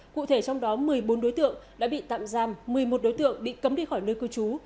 cụ thể trong đó một mươi bốn đối tượng đã bị tạm giam một mươi một đối tượng bị cấm đi khỏi nơi cư trú